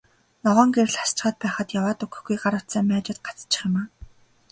Ногоон гэрэл асчхаад байхад яваад өгөхгүй, гар утсаа маажаад гацчих юм аа.